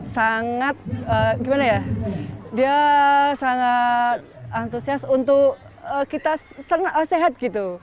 sangat gimana ya dia sangat antusias untuk kita sehat gitu